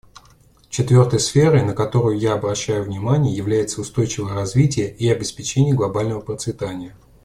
Четвертой сферой, на которую я обращаю внимание, является устойчивое развитие и обеспечение глобального процветания.